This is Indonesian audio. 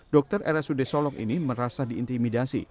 dokter rsud solong ini merasa diintimidasi